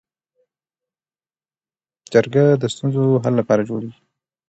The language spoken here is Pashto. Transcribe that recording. جرګه د ستونزو حل لپاره جوړیږي